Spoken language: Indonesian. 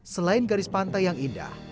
selain garis pantai yang indah